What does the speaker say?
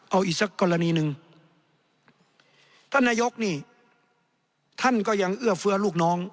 เอาอีกสักกรณีหนึ่งท่านนายกนี่ท่านก็ยังเอื้อเฟื้อลูกน้อง